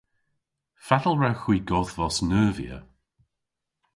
Fatel wrewgh hwi godhvos neuvya?